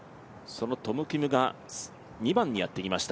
そのトム・キムが２番にやってきました。